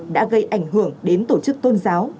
đã gây ảnh hưởng đến tổ chức tôn giáo